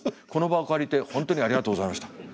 この場を借りて本当にありがとうございました。